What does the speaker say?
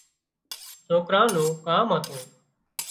سوڪران نُون ڪام هتون